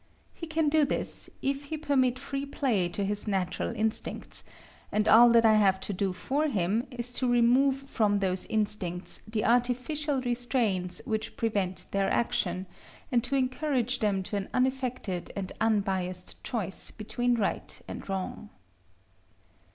He can do this, if he permit free play to his natural instincts; and all that I have to do for him is to remove from those instincts the artificial restraints which prevent their action, and to encourage them to an unaffected and unbiassed choice between right and wrong.